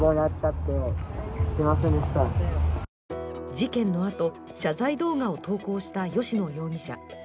事件のあと、謝罪動画を投稿した吉野容疑者。